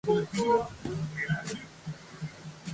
「明日も来ようよ」、君は言った。うんと僕はうなずいた